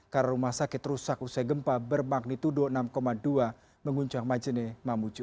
karena rumah sakit rusak usai gempa bermagnitudo enam dua menguncang majene mamuju